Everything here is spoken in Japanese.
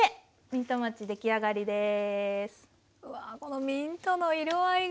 ミントもちの出来上がりです。